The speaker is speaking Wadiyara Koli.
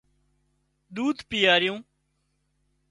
ۮوڌ پيائريون